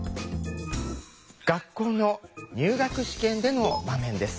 学校の入学試験での場面です。